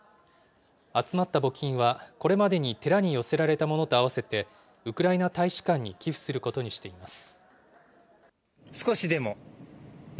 集まった募金は、これまでに寺に寄せられたものと合わせて、ウクライナ大使館に寄付することにしています。